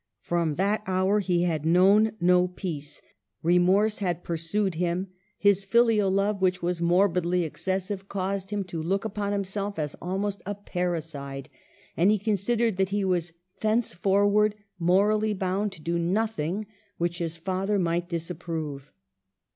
From that hour he had known no peace ; re Digitized by VjOOQLC HER WORKS. 229 morse had pursued him ; his filial love, which was morbidly excessive, caused him to look upon himself as almost a parricide, and he considered that he was thenceforward morally bound to do nothing which his father might disapprove.